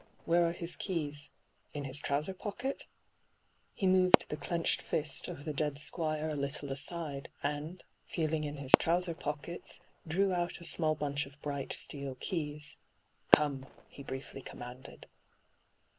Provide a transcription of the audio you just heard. Where are his keys ? In his trouser pocket V He moved the clenched fist of the dead Squire a little aside, and, feeling in his trouser pockets, drew out a small bunch of bright steel keys. * Come 1' he briefly com manded.